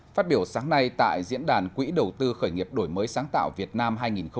phát biểu sáng nay tại diễn đàn quỹ đầu tư khởi nghiệp đổi mới sáng tạo việt nam hai nghìn hai mươi